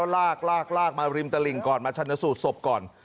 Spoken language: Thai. แล้วลากมาริมตะลิงก่อนมาชะนสุดศพก่อน